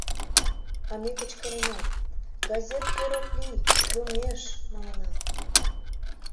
А ме кычкырена: «Газет тӧр ок лий, йомеш», — манына.